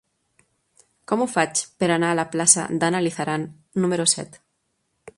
Com ho faig per anar a la plaça d'Anna Lizaran número set?